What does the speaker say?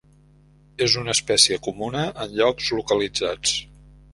És una espècie comuna en llocs localitzats.